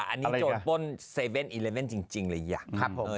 ย้อนป้นเซเว่นอิเลเว่นจริงเลยอย่างงี้